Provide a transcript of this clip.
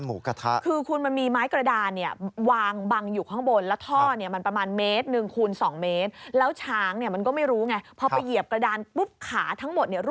หน้าร้านหมูกระทะ